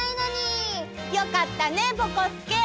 よかったねぼこすけ！